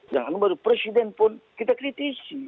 jangan baru presiden pun kita kritisi